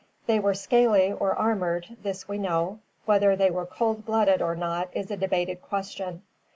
They were scaly or armored, this we know; whether they were cold blooded or not is a debated question.